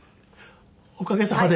おかげさまで。